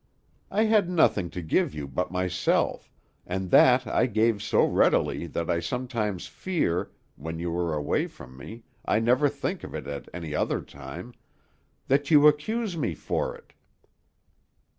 I had nothing to give you but myself, and that I gave so readily that I sometimes fear when you are away from me; I never think of it at any other time that you accuse me for it."